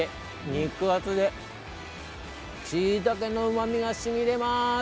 肉厚でしいたけのうまみがしびれます。